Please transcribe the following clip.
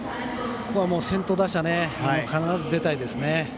ここは先頭打者必ず出たいですね。